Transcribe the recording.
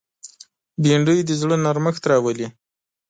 بېنډۍ د زړه نرمښت راولي